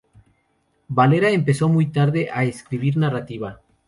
Valera empezó muy tarde a escribir narrativa.